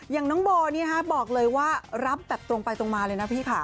อย่างน้องโบบอกเลยว่ารับแบบตรงไปตรงมาเลยนะพี่ค่ะ